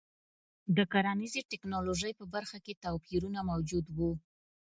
د کرنیزې ټکنالوژۍ په برخه کې توپیرونه موجود وو.